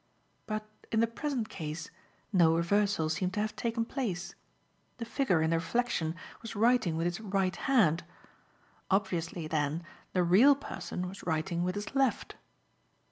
But in the present case, no reversal seemed to have taken place. The figure in the reflection was writing with his right hand. Obviously, then, the real person was writing with his left.